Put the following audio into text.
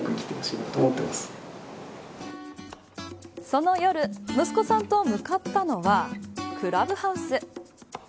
その夜息子さんと向かったのはクラブハウス。